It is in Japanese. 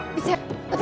私